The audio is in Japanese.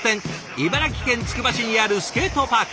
茨城県つくば市にあるスケートパーク。